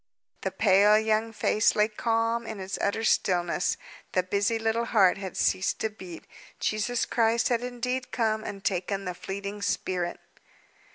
The pale young face lay calm in its utter stillness; the busy little heart had ceased to beat. Jesus Christ had indeed come and taken the fleeting spirit.